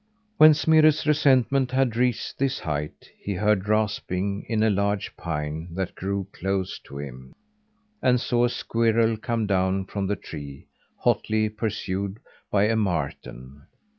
When Smirre's resentment had reached this height, he heard rasping in a large pine that grew close to him, and saw a squirrel come down from the tree, hotly pursued by a marten.